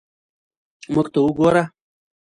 موږ ته وګوره.